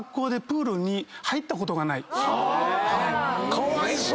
かわいそう。